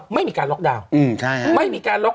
ไม่มีการล็อกดาวน์